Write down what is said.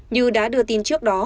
như đã đưa tin trước đó